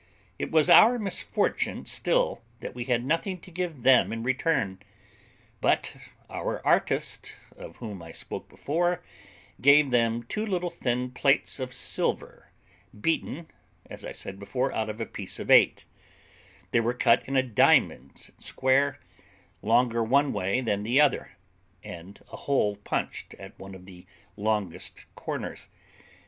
It was our misfortune still that we had nothing to give them in return; but our artist, of whom I spoke before, gave them two little thin plates of silver, beaten, as I said before, out of a piece of eight; they were cut in a diamond square, longer one way than the other, and a hole punched at one of the longest corners.